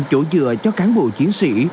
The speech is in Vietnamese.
chỗ dựa cho cán bộ chiến sĩ